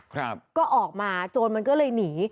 ครับก็ออกมาโจรมันก็เลยหนี